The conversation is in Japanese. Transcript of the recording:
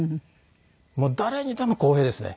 もう誰にでも公平ですね。